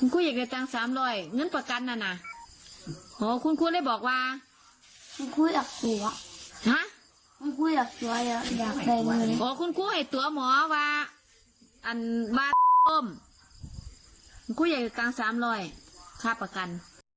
คุณผู้ใหญ่อยู่ตรง๓๐๐บาทค่าประกัน